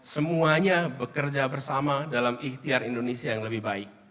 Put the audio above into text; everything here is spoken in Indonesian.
semuanya bekerja bersama dalam ikhtiar indonesia yang lebih baik